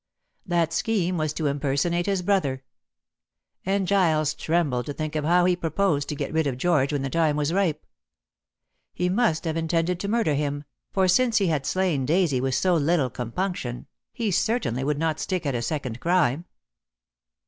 That scheme was to impersonate his brother; and Giles trembled to think of how he proposed to get rid of George when the time was ripe. He must have intended to murder him, for since he had slain Daisy with so little compunction, he certainly would not stick at a second crime.